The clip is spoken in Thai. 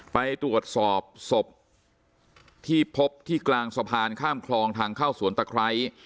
ไปตรวจสอบศพที่พบที่กลางสะพานข้ามคลองทางเข้าสวนตะไคร้